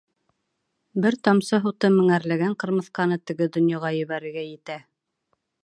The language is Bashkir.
Бер тамсы һуты меңәрләгән ҡырмыҫҡаны теге донъяға ебәрергә етә!